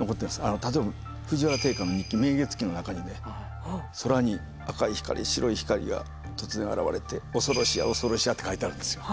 例えば藤原定家の日記「明月記」の中に「空に赤い光白い光が突然現れて恐ろしや恐ろしや」って書いてあるんですよ。